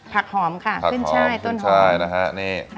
ผักหอมค่ะขึ้นช่ายต้นหอม